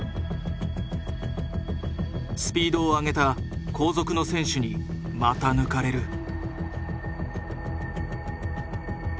スピードを上げた後続の選手にまた抜かれる。